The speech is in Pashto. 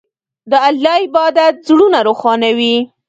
د الله عبادت زړونه روښانوي.